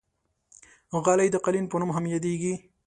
غالۍ د قالین په نوم هم یادېږي.